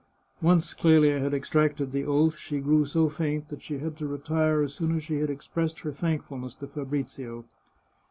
Once Clelia had extracted the oath, she grew so faint that she had to retire as soon as she had expressed her thankfulness to Fabrizio.